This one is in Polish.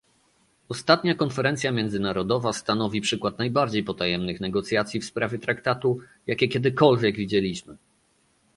Ostatnia konferencja międzyrządowa stanowi przykład najbardziej potajemnych negocjacji w sprawie traktatu, jakie kiedykolwiek widzieliśmy